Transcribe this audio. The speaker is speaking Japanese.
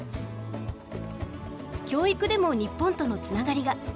教育でも日本とのつながりが。